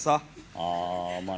ああまあな。